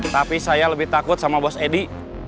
tapi saya lebih takut sama bos edy